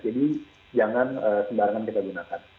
jadi jangan sembarangan kita gunakan